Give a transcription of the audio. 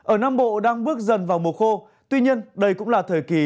ở nam bộ đang bước dần vào mùa khô tuy nhiên đây cũng là thời kỳ